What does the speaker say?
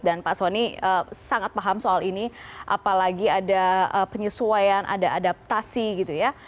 dan pak soni sangat paham soal ini apalagi ada penyesuaian ada adaptasi gitu ya